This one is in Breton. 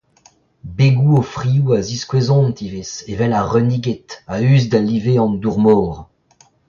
Begoù o frioù a ziskouezont ivez, evel ar reuniged, a-us da live an dour-mor.